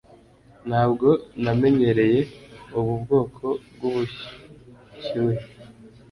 Ntabwo namenyereye ubu bwoko bwubushyuhe